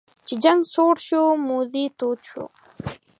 چې جنګ سوړ شو موذي تود شو.